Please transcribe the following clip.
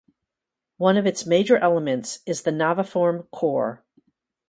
One of its major elements is the naviform core.